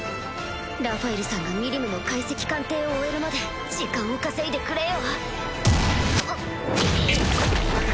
ラファエルさんがミリムの解析鑑定を終えるまで時間を稼いでくれよ